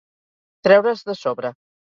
Treure's de sobre.